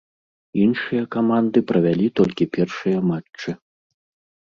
Іншыя каманды правялі толькі першыя матчы.